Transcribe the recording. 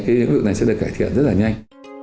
các doanh nghiệp này sẽ được cải thiện rất là nhanh